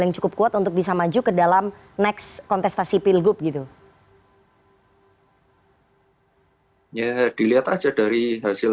yang cukup kuat untuk bisa maju ke dalam next kontestasi pilgub gitu ya dilihat aja dari hasil